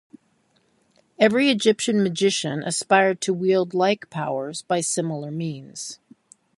Every Egyptian magician aspired to wield like powers by similar means.